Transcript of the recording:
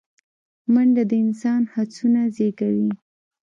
منډه د انسان هڅونه زیږوي